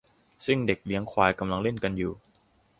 ซึ่งเด็กเลี้ยงควายกำลังเล่นกันอยู่